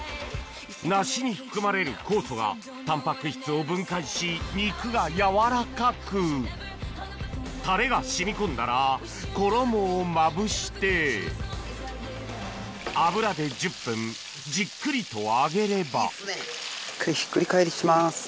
梨に含まれる酵素がタンパク質を分解し肉が軟らかくタレが染み込んだら衣をまぶして油で１０分じっくりと揚げればこれひっくり返します。